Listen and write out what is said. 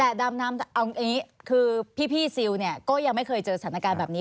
แต่ดำน้ำเอาอย่างนี้คือพี่ซิลเนี่ยก็ยังไม่เคยเจอสถานการณ์แบบนี้